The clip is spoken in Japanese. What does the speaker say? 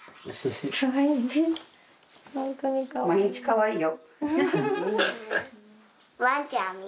毎日かわいいよ。